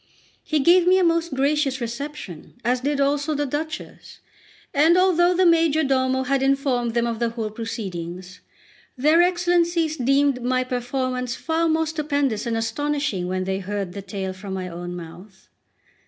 He gave me a most gracious reception, as did also the Duchess; and although the majordomo had informed them of the whole proceedings, their Excellencies deemed my performance far more stupendous and astonishing when they heard the tale from my own mouth.